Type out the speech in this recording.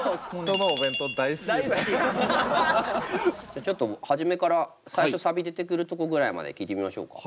じゃあちょっと初めから最初サビ出てくるとこぐらいまで聴いてみましょうか。